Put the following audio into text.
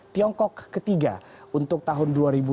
tiongkok ketiga untuk tahun dua ribu tujuh belas